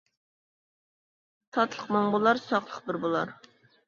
تاتلىق مىڭ بولار، ساقلىق بىر بولار.